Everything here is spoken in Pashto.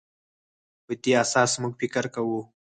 په دې اساس موږ فکر کوو.